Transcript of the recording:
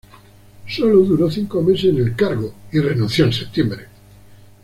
Sólo duró cinco meses en el cargo, y renunció en septiembre.